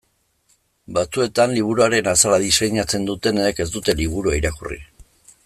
Batzuetan liburuaren azala diseinatzen dutenek ez dute liburua irakurri.